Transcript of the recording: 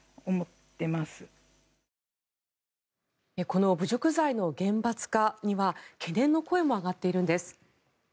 この侮辱罪の厳罰化には懸念の声も上がっているんです。